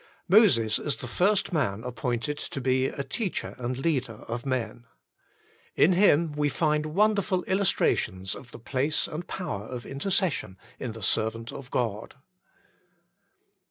Moses is the first man appointed to be a teacher and leader of men. In him we find wonderful illustrations of the place and power of intercession in the servant of God.